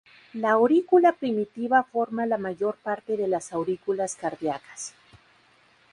La aurícula primitiva forma la mayor parte de las aurículas cardíacas.